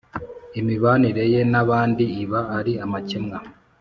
. Imibanire ye n’abandi iba ari amakemwa.